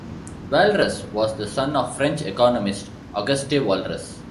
Walras was the son of French economist Auguste Walras.